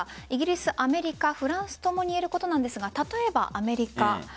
イギリス、アメリカフランスともに言えることですが例えば、アメリカ。